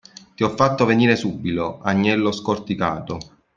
Ti ho fatto venire subito, agnello scorticato!